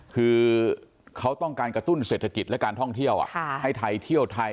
คือเขาต้องการกระตุ้นเศรษฐกิจและการท่องเที่ยวให้ไทยเที่ยวไทย